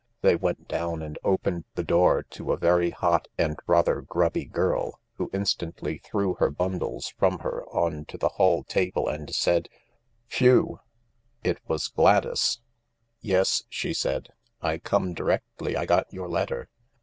They went down and opened the door to a very hot and rather grubby girl, who instantly threw her bundles from her on to the hall table and said ;" Phew I " It was Gladys. " Yes," she said, " I come directly I got your letter.